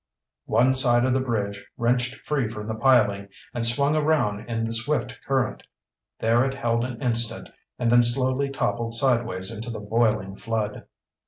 One side of the bridge wrenched free from the piling and swung around in the swift current. There it held an instant and then slowly toppled sideways into the boiling flood.